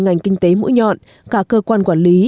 ngành kinh tế mũi nhọn cả cơ quan quản lý